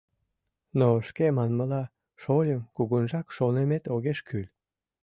— Но, шке манмыла, шольым, кугунжак шонымет огеш кӱл.